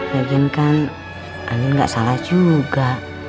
yakin kan andin gak salah juga